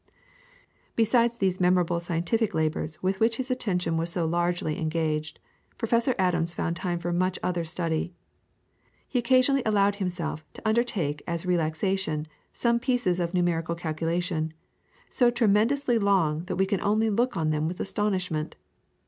Besides those memorable scientific labours with which his attention was so largely engaged, Professor Adams found time for much other study. He occasionally allowed himself to undertake as a relaxation some pieces of numerical calculation, so tremendously long that we can only look on them with astonishment.